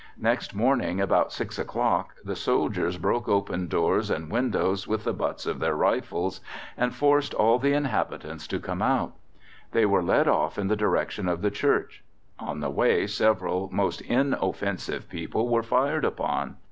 Next morning, about 6 o'clock, the soldiers broke open doors and windows with the butts of their rifles, and forced all the inhabitants to come out. They were led off in the direction of the church. On the way several most inoffensive people were fired upon.